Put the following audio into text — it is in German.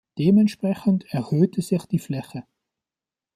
Dementsprechend erhöhte sich die Fläche.